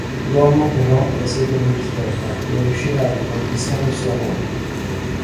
L'uomo, però, la segue in Inghilterra dove riuscirà a riconquistare il suo amore.